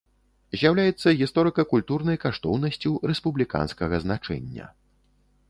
З'яўляецца гісторыка-культурнай каштоўнасцю рэспубліканскага значэння.